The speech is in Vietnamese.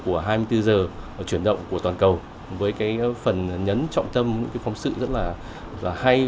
của hai mươi bốn h chuyển động của toàn cầu với cái phần nhấn trọng tâm những cái phóng sự rất là hay